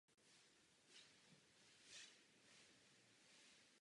Vznikají obvykle rozpuštěním iontových sloučenin v polárních rozpouštědlech.